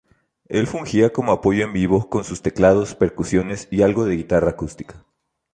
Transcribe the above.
Él fungía como apoyo en vivo con teclados, percusiones y algo de guitarra acústica.